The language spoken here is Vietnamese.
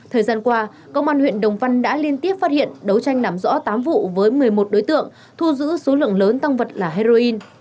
thời gian qua công an huyện đồng văn đã liên tiếp phát hiện đấu tranh làm rõ tám vụ với một mươi một đối tượng thu giữ số lượng lớn tăng vật là heroin